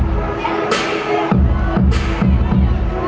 ไม่ต้องถามไม่ต้องถาม